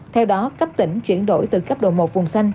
theo đó cấp tỉnh chuyển đổi từ cấp độ một vùng xanh